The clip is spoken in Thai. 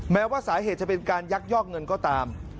แม้ว่าสาเหตุจะเป็นการยักยอกเงินก็ตาม